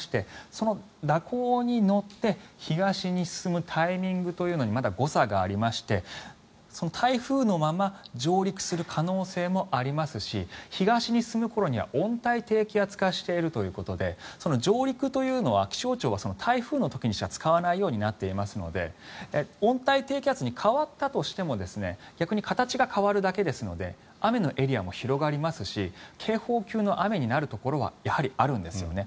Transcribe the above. その蛇行に乗って東に進むタイミングというのにまだ誤差がありまして台風のまま上陸する可能性もありますし東に進む頃には温帯低気圧化しているということで上陸というのは気象庁は、台風の時にしか使わないようになっていますので温帯低気圧に変わったとしても逆に形が変わるだけですので雨のエリアも広がりますし警報級の雨になるところはやはり、あるんですよね。